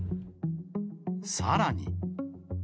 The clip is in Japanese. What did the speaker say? さらに。